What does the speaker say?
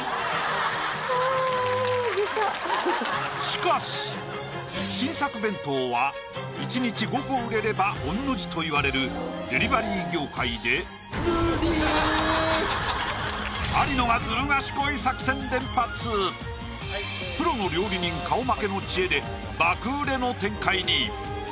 しかし新作弁当は１日５個売れれば御の字といわれるデリバリー業界で有野がプロの料理人顔負けの知恵で爆売れの展開に！